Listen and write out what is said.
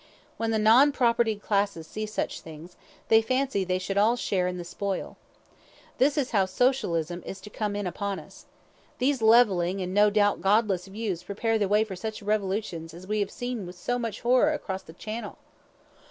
When the non propertied classes see such things, they fancy they should all share in the spoil. This is how Socialism is to come in upon us. These levelling and no doubt godless views prepare the way for such revolutions as we have seen with so much horror across the Channel.